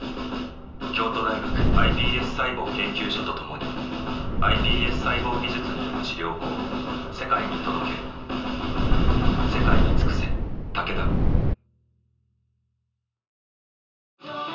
京都大学ｉＰＳ細胞研究所と共にｉＰＳ細胞技術による治療法を世界に届けるやったー！